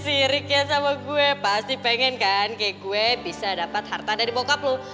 siriknya sama gue pasti pengen kan kayak gue bisa dapat harta dari bokap loh